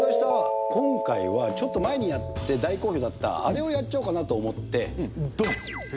今回はちょっと前にやって大好評だったあれをやっちゃおうかなと思って、どん。